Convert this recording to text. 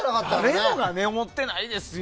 誰もが思ってないですよ。